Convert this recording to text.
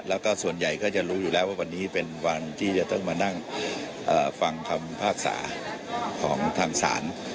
แล้วก็ส่วนใหญ่ก็จะรู้อยู่แล้วว่าวันนี้เป็นวันที่จะต้องมานั่งฟังคำพิพากษาของทางศาล